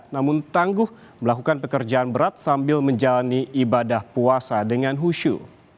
namun tangguh melakukan pekerjaan berat sambil menjalani ibadah puasa dengan husyu